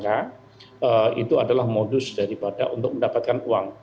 karena itu adalah modus daripada untuk mendapatkan uang